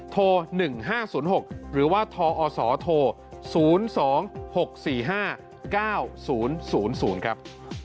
โทร๑๕๐๖หรือว่าทอศโทร๐๒๖๔๕๙๐๐ครับ